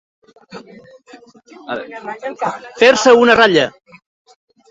Fer-se una ratlla.